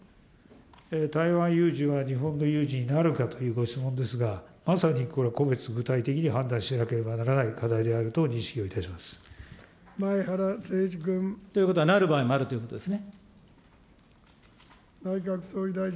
台湾有事は日本の有事になるかというご質問ですが、まさにこれ、個別具体的に判断しなければならない前原誠司君。ということは、なる場合もあるということですね。